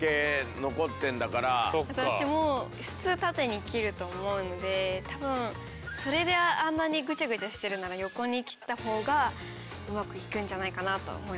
私も普通縦に切ると思うので多分それであんなにグチャグチャしてるなら横に切った方がうまくいくんじゃないかなと思います。